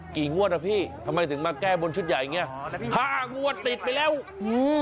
งวดอ่ะพี่ทำไมถึงมาแก้บนชุดใหญ่อย่างเงี้ยห้างวดติดไปแล้วอืม